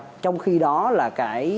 mức tăng trưởng khuy động hiện tại